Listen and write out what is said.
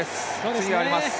次があります。